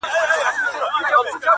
o بې ډوډۍ ښه، بې کوره نه!